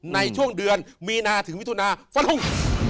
ในช่วงเดือนมีนาถึงมิถุนาฟันลุง